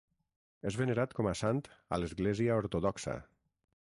És venerat com a sant a l'Església ortodoxa.